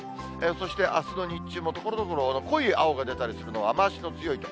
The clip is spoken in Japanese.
そして、あすの日中もところどころ、濃い青が出たりするのは雨足の強い所。